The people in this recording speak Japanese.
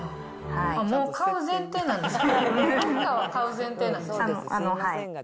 もう買う前提なんですね。